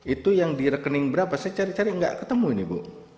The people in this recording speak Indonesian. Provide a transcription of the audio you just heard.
itu yang direkening berapa saya cari cari enggak ketemu ini bu